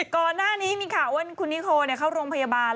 ก่อนหน้านี้มีข่าวว่าคุณนิโคเข้าโรงพยาบาล